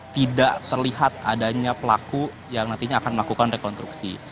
tidak terlihat adanya pelaku yang nantinya akan melakukan rekonstruksi